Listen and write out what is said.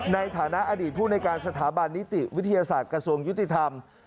ในฐานะอดีตผู้ในการสถาบันนิติวิทยาศาสตร์กระทรวงยุติธรรม